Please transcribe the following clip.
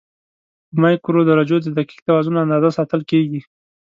په مایکرو درجو د دقیق توازن اندازه ساتل کېږي.